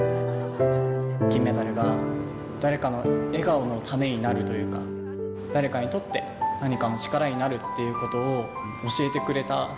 金メダルが、誰かの笑顔のためになるというか、誰かにとって何かの力になるっていうことを教えてくれた。